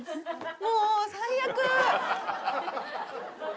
もう最悪！